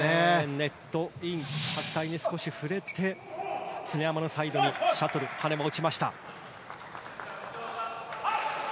ネットイン白帯に少し触れて常山サイドにシャトルが落ちた。